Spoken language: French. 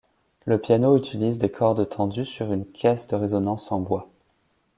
Le piano utilise des cordes tendues sur une caisse de résonance en bois.